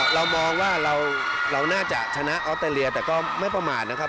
เรามองว่าเราน่าจะชนะออสเตรเลียแต่ก็ไม่ประมาทนะครับ